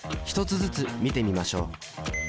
１つずつ見てみましょう。